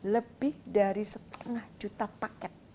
lebih dari setengah juta paket